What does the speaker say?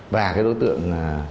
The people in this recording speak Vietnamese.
và cái đối tượng